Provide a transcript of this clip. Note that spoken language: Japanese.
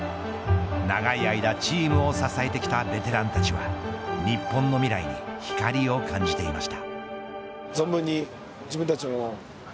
長い間チームを支えてきたベテランたちは日本の未来に光を感じていました。